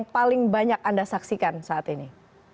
paling banyak anda saksikan saat ini